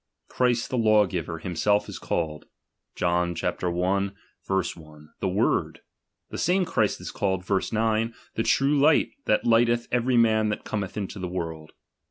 Christ the law giver, himself is called (John i. 1) : the word. The same Christ is called (verse 9) : the true light, that lighteth every man that cometh in the world.